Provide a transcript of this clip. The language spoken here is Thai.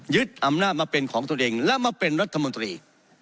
อำนาจมาเป็นของตัวเองและมาเป็นรัฐมนตรี